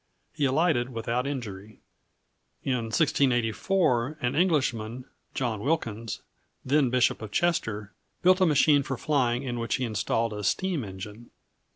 He alighted without injury. In 1684, an Englishman, John Wilkins, then bishop of Chester, built a machine for flying in which he installed a steam engine.